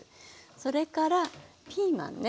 それからピーマンね。